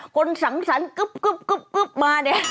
คนสังสรรค์กึบมา